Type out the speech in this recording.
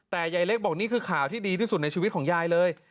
แต่ยายเล็กบอกนี่คือข่าวที่ดีที่สุดในชีวิตของยายเลย